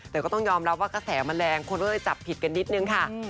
แต่ก็ต้องยอมรับว่ากระแสมันแรงคนก็เลยจับผิดกันนิดนึงค่ะ